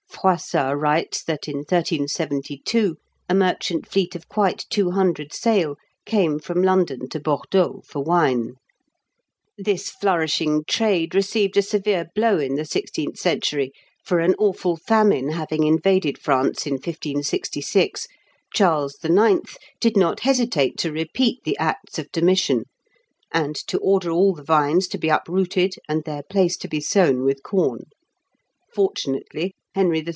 Froissart writes that, in 1372, a merchant fleet of quite two hundred sail came from London to Bordeaux for wine. This flourishing trade received a severe blow in the sixteenth century; for an awful famine having invaded France in 1566, Charles IX. did not hesitate to repeat the acts of Domitian, and to order all the vines to be uprooted and their place to be sown with corn; fortunately Henry III.